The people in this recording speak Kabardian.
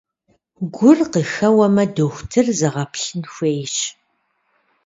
Гур къыхэуэмэ, дохутыр зэгъэплъын хуейщ.